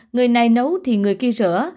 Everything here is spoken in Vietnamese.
người này nấu thì người kia rửa